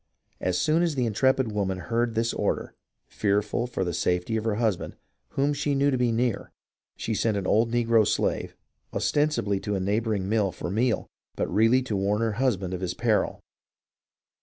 As soon as the intrepid woman heard this order, fearful for the safety of her husband, whom she knew to be near, she sent an old negro slave, ostensibly to a neigh bouring mill for meal, but really to warn her husband of his peril.